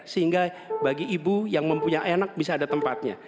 sehingga bagi ibu yang mempunyai anak bisa ada tempatnya